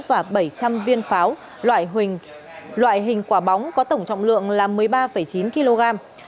và bảy trăm linh viên pháo loại hình quả bóng có tổng trọng lượng là một mươi ba chín kg